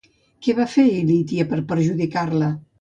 Què va fer Ilitia per perjudicar-la?